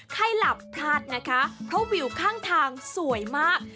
ใครหลับพลาดนะคะเพราะวิวข้างทางสวยมาก